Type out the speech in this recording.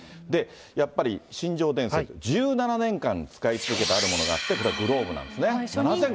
やっぱり新庄伝説、１７年間使い続けたあるものがあって、それはグローブなんですね。